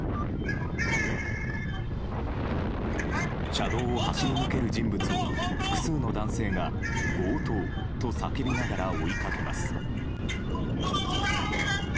車道を走り抜ける人物を複数の男性が強盗と叫びながら追いかけます。